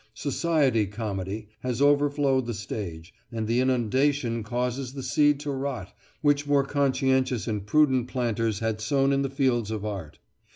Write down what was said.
Society comedy has overflowed the stage, and the inundation causes the seed to rot which more conscientious and prudent planters had sown in the fields of art.